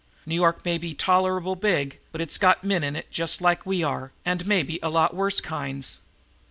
New York may be tolerable big, but it's got men in it just like we are, and maybe a lot worse kinds."